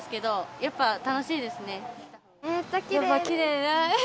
やっぱきれい。